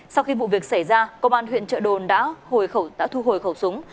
sau khi vụ việc xảy ra công an huyện trợ đồn đã hồi khẩu súng